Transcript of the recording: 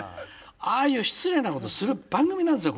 ああいう失礼なことする番組なんですよ